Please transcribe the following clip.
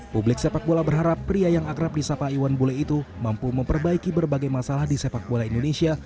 publik sepak bola berharap pria yang akrab di sapa iwan bule itu mampu memperbaiki berbagai masalah di sepak bola indonesia